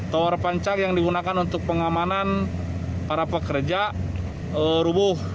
tower pancak yang digunakan untuk pengamanan para pekerja rubuh